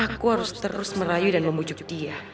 aku harus terus merayu dan memujuk dia